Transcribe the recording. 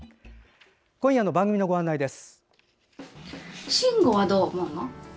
今夜の番組のご案内です。